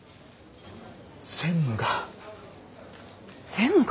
専務が。